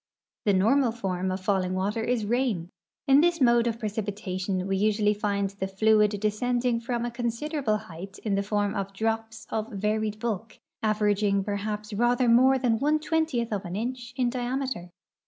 The normal form of falling water is rain. In this mode of precipitation we usually find the fluid descending from a con sideral)le height in the form of drops of varied bulk, averaging perha[)s rather more than one twentieth of an inch in diameter.